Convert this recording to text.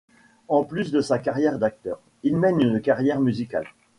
En plus de sa carrière d'acteur, il mène une carrière musicale.